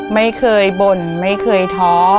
ไม่เคยบ่นไม่เคยท้อ